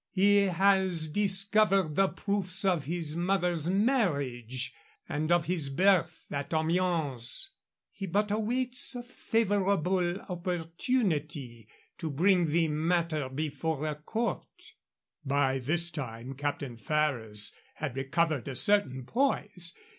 He has discovered the proofs of his mother's marriage and of his birth at Amiens. He but awaits a favorable opportunity to bring the matter before a court." By this time Captain Ferrers had recovered a certain poise.